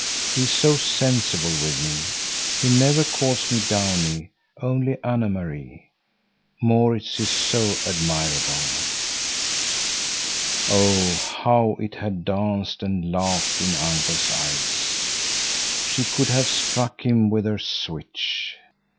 He is so sensible with me! He never calls me Downie; only Anne Marie. Maurits is so admirable." Oh, how it had danced and laughed in uncle's eyes! She could have struck him with her switch.